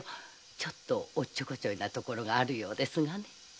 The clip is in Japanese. ちょっとおっちょこちょいなところがあるようですがね。